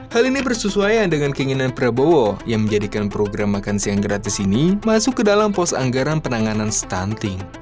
hal ini bersesuaian dengan keinginan prabowo yang menjadikan program makan siang gratis ini masuk ke dalam pos anggaran penanganan stunting